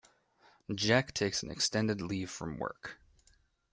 Jack takes an extended leave from work.